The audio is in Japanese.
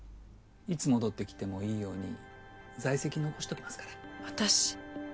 いつ戻ってきてもいいように在籍残しときますから。